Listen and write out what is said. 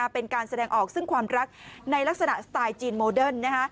เป็นการแสดงออกซึ่งความรักในลักษณะสไตล์จีนโมเดิร์น